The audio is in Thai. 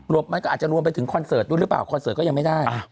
มันก็อาจจะรวมไปถึงคอนเสิร์ตด้วยหรือเปล่าคอนเสิร์ตก็ยังไม่ได้